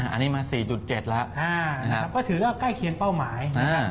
อันนี้มา๔๗แล้วก็ถือว่าใกล้เคียงเป้าหมายนะครับ